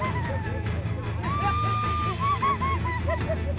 ah selamat siang datu